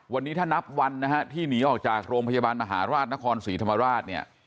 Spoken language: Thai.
วันนี้ถ้านับวันนะฮะที่หนีออกจากโรงพยาบาลมหาราชนครศรีธรรมราชเนี่ย